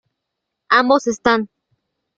Ambos están